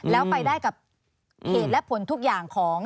แล้วไปได้กับเหตุและผลทุกอย่างของ